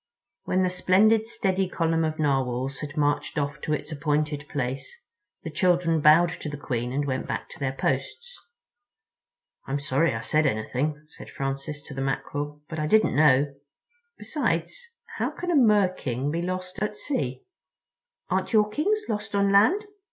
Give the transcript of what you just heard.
When the splendid steady column of Narwhals had marched off to its appointed place the children bowed to the Queen and went back to their posts. "I'm sorry I said anything," said Francis to the Mackerel, "but I didn't know. Besides, how can a Mer king be lost at sea?" "Aren't your Kings lost on land?"